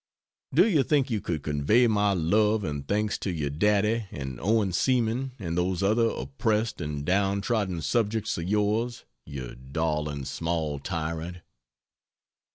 Do you think you could convey my love and thanks to your "daddy" and Owen Seaman and those other oppressed and down trodden subjects of yours, you darling small tyrant?